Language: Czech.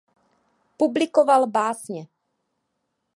Publikoval básně.